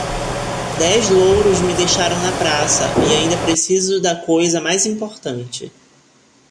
Dez louros me deixaram na praça e ainda preciso da coisa mais importante.